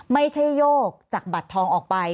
ไม่ใช่โยกจากบัตรทองออกไป